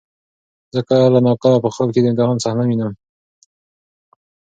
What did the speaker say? زه کله ناکله په خوب کې د امتحان صحنه وینم.